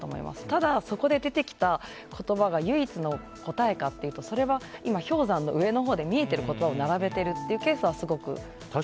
ただ、そこで出てきた言葉が唯一の答えかというとそれは今、氷山の上のほうで見えてることを並べてるケースは多いです。